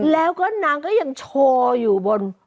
แล้วก็นางก็ยังโชว์อยู่บน